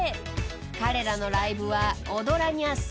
［彼らのライブは踊らにゃ損］